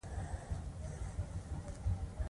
هیڅکله لمونځ مه ناوخته کاوه.